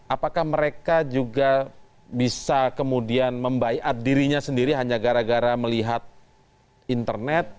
apakah mereka juga bisa kemudian membaikat dirinya sendiri hanya gara gara melihat internet